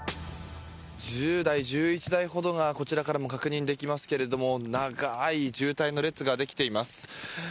１０台、１１台ほどがこちらからも確認できますが長い渋滞の列ができています。